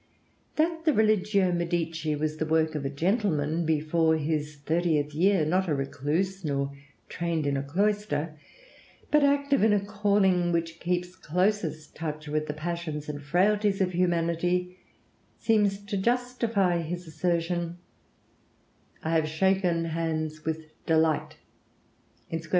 That the 'Religio Medici' was the work of a gentleman before his thirtieth year, not a recluse nor trained in a cloister, but active in a calling which keeps closest touch with the passions and frailties of humanity, seems to justify his assertion, "I have shaken hands with delight [_sc.